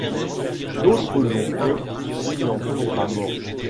D’autres l’ont fait qui n’en sont pas morts.